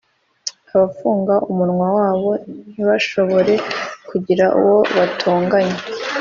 abafunga umunwa wabo, ntibashobore kugira uwo batonganya.